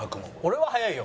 俺は早いよ。